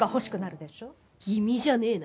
気味じゃねえな。